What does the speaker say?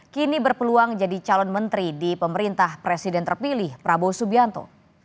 kini berpeluang jadi calon menteri di pemerintah presiden terpilih prabowo subianto